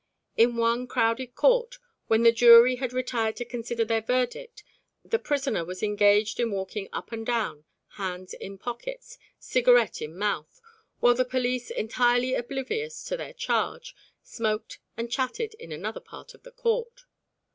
In one crowded court, when the jury had retired to consider their verdict the prisoner was engaged in walking up and down, hands in pockets, cigarette in mouth, while the police, entirely oblivious to their charge, smoked and chatted in another part of the court.